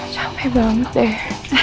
capek banget deh